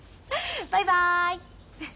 バイバイ。